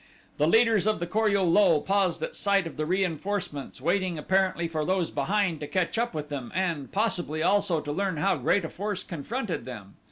The leaders of the Kor ul lul paused at sight of the reinforcements, waiting apparently for those behind to catch up with them and, possibly, also to learn how great a force confronted them.